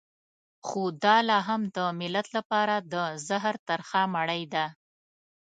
خو دا لا هم د ملت لپاره د زهر ترخه مړۍ ده.